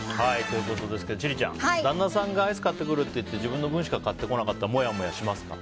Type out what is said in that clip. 千里ちゃん、旦那さんがアイス買ってくるって言って自分の分しか買ってこなかったらモヤモヤしますか？